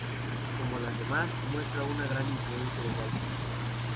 Como las demás, muestra una gran influencia de Walt Disney.